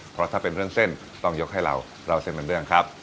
เพราะถ้าเป็นเรื่องเส้นต้องยกให้เราเล่าเส้นเป็นเรื่องครับ